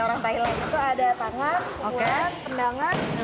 ya orang thailand itu ada tangan pukulan tendangan